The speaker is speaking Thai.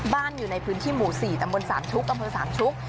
บ้านอยู่ในพื้นที่หมูศรีตำบลสามชุก